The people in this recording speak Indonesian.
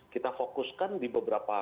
kita fokuskan di beberapa